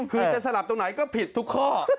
คือจะสลับตรงไหนก็ผิดทุกข้อ